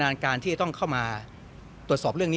มีใครไปดึงปั๊กหรือว่า